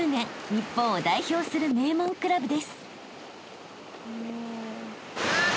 日本を代表する名門クラブです］